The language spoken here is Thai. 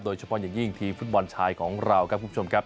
โดยเฉพาะอย่างยิ่งทีมฟุตบอลชายของเราครับคุณผู้ชมครับ